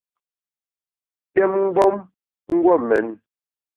Kyém mgbom !guon mén.